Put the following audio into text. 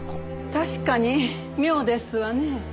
確かに妙ですわね。